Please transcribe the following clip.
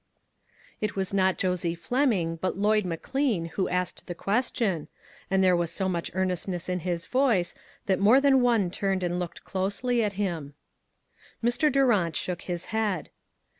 It was not Josie Fleming, but Lloyd McLean, who asked the question, and there was so much earnestness in his voice , that more than one turned and looked closely at IIMM. Mr. Durant shook his head.